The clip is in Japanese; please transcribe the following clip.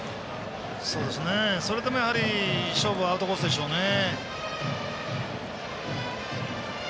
それでも、勝負はアウトコースでしょうね。